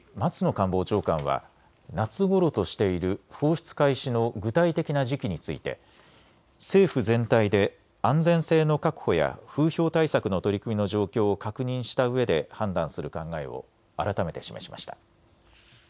官房長官は夏ごろとしている放出開始の具体的な時期について政府全体で安全性の確保や風評対策の取り組みの状況を確認したうえで判断する考えを改めて示しました。